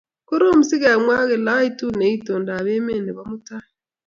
Korom si kemwa kole uiti ne itondop emet nebo mutai